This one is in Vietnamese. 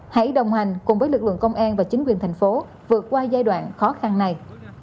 hãy đồng hành cùng với lực lượng công an và chính quyền thành phố vượt qua giai đoạn khó khăn này